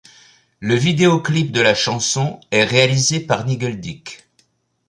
Le vidéoclip de la chanson est réalisé par Nigel Dick.